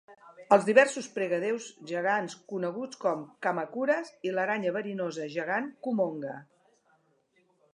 Els diversos pregadéus gegants coneguts com Kamacuras i l'aranya verinosa gegant Kumonga.